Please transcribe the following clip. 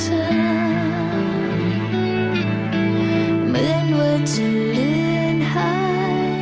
เหมือนว่าจะยืนหาย